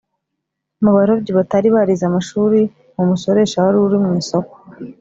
mu barobyi batari barize amashuri, mu musoresha wari uri mu isoko